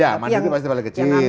ya mandiri pasti paling kecil